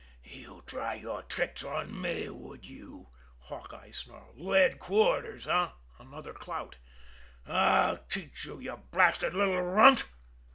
"You'd try your tricks on me, would you?" Hawkeye snarled. "Lead quarters eh?" Another clout. "I'll teach you, you blasted little runt!"